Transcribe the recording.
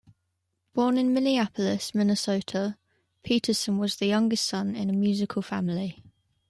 Born in Minneapolis, Minnesota, Peterson was the youngest son in a musical family.